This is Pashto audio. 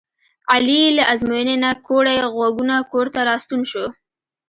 علي له ازموینې نه کوړی غوږونه کورته راستون شو.